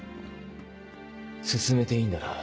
進めていいんだな？